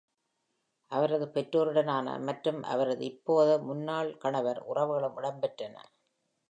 அவரது பெற்றோருடனான மற்றும் அவரது இப்போது முன்னாள் கணவர் உறவுகளும் இடம்பெற்றன.